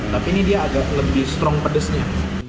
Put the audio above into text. tapi ini dia agak lebih strong pedesnya